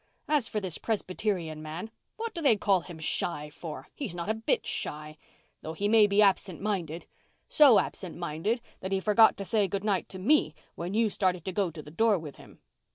As for this Presbyterian man, what do they call him shy for? He's not a bit shy, though he may be absent minded—so absent minded that he forgot to say goodnight to me when you started to go to the door with him.